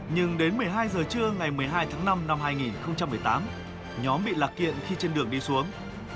nhưng đến một mươi hai giờ trưa ngày một mươi hai tháng năm năm hai nghìn một mươi tám nhóm bị lạc kiện khi trên đường đi xuống